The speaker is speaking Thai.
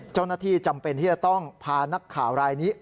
เจ้าหน้าที่จำเป็นที่จะต้องพานักข่าวรายนี้